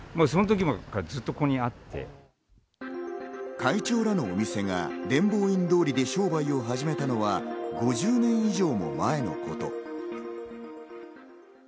会長らのお店が伝法院通りで商売を始めたのは５０年以上も前のこと。